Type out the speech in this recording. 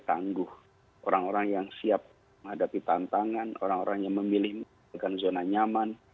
tangguh orang orang yang siap menghadapi tantangan orang orang yang memilih zona nyaman